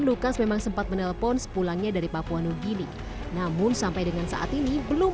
lukas memang sempat menelpon sepulangnya dari papua nugini namun sampai dengan saat ini belum